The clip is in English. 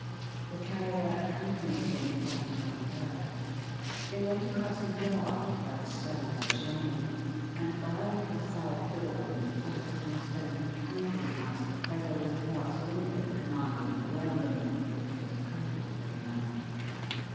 The Carrier accompanied him, without another word. They went across a yard, where the stars were shining; and by a little side door, into Tackleton's own counting house, where there was a glass window, commanding the ware room: which was closed for the night.